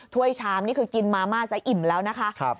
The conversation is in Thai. ถ้วยชามนี่คือกินมาม่าจะอิ่มแล้วนะคะ